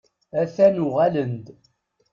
A-t-an uɣalen-d.